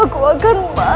aku akan mati